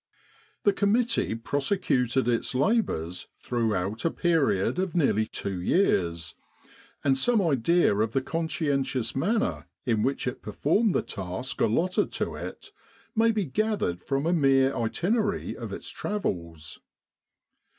The committee prosecuted its labours throughout a period of nearly two years, and some idea of the conscientious manner in which it performed the task allotted to it may be gathered from a mere itinerary of its travels.